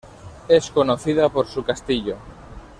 Es conocida por su castillo.